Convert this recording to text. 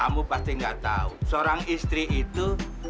amu pasti gak tau seorang istri itu